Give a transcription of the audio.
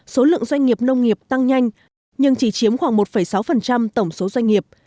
số lượng doanh nghiệp nông nghiệp tăng nhanh nhưng chỉ chiếm khoảng một sáu tổng số doanh nghiệp